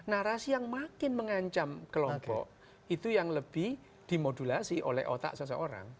narasi yang makin mengancam kelompok itu yang lebih dimodulasi oleh otak seseorang